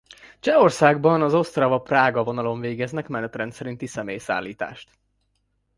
Csehországban az Ostrava–Prága vonalon végeznek menetrend szerinti személyszállítást.